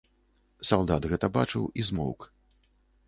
Салдат гэта бачыў і змоўк.